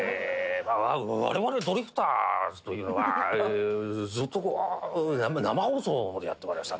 我々ドリフターズというのはずっとこうなま生放送でやってまいりました。